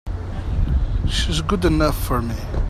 She's good enough for me!